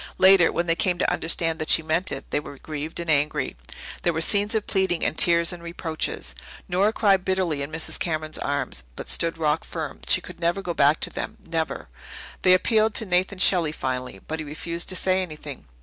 Later, when they came to understand that she meant it, they were grieved and angry. There were scenes of pleading and tears and reproaches. Nora cried bitterly in Mrs. Cameron's arms, but stood rock firm. She could never go back to them never. They appealed to Nathan Shelley finally, but he refused to say anything.